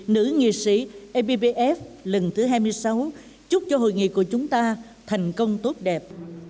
nữ nghị sĩ ebbf lần thứ hai mươi sáu chúc cho hội nghị của chúng ta thành công tốt đẹp